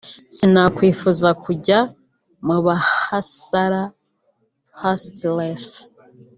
sinakwifuza kujya mu bahasala (hustlers)